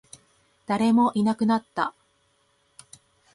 誰もいなくなった